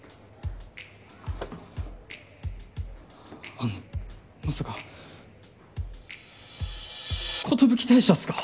あのまさか寿退社っすか？